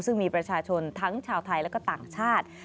ซึ่งมีประชาชนทั้งชาวไทยและก็ต่างชาติ